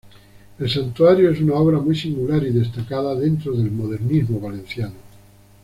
El santuario es una obra muy singular y destacada dentro del modernismo valenciano.